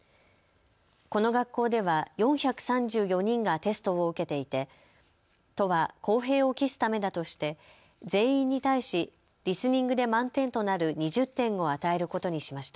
この学校では４３４人がテストを受けていて都は公平を期すためだとして全員に対しリスニングで満点となる２０点を与えることにしました。